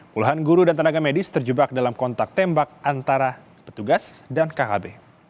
puluhan guru dan tenaga medis terjebak dalam kontak tembak antara petugas dan khb